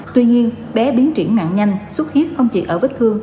tuy nhiên bé biến triển nặng nhanh xuất hiếp không chỉ ở vết thương